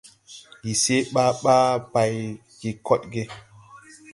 Ndi see ɓaa ɓaa bay je koɗge.